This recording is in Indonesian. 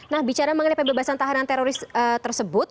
nah bicara mengenai pembebasan tahanan teroris tersebut